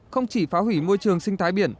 không chỉ phá hủy môi trường sinh thái biển